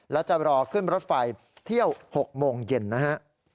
และจะรอขึ้นรถไฟเที่ยว๖โมงเย็นนะฮะ